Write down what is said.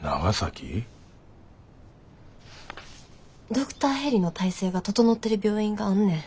ドクターヘリの体制が整ってる病院があんねん。